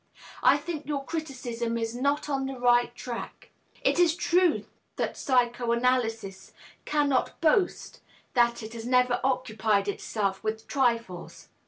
I think your criticism is not on the right track. It is true that psychoanalysis cannot boast that it has never occupied itself with trifles.